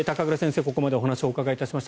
ここまでお話をお伺いしました。